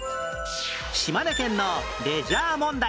島根県のレジャー問題